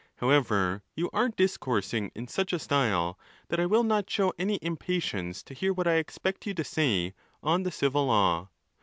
However, you are discoursing in such a style that I will not show any im patience to hear what I expect you to say on the Civil Law.